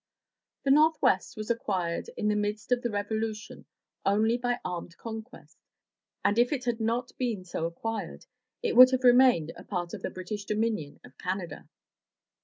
The Northwest was acquired in the midst of the Revolution only by armed conquest, and if it had not been so acquired, it would have remained a part of the British Dominion of Canada.